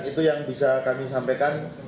itu yang bisa kami sampaikan